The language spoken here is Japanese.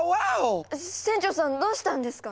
船長さんどうしたんですか？